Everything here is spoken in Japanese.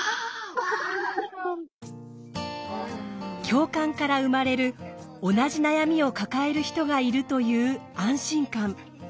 共感から生まれる同じ悩みを抱える人がいるという安心感。